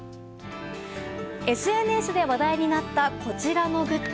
ＳＮＳで話題になったこちらのグッズ。